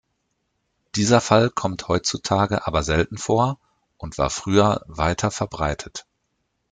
Dieser Fall kommt heutzutage aber selten vor und war früher weiterverbreitet.